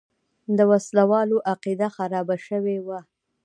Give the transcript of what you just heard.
د وسله والو عقیده خرابه شوې وه.